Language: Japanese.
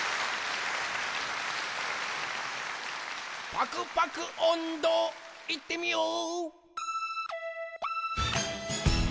パクパクおんど、いってみよう！